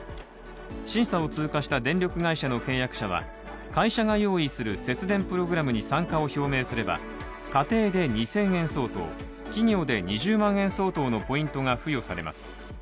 審査を通過した電力会社の契約者は会社が用意する節電プログラムに参加を表明すれば家庭で２０００円相当企業で２０万円相当のポイントが付与されます。